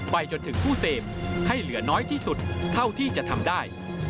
ไปจนถึงผู้เสพให้เหลือน้อยที่สุดเท่าที่จะทำได้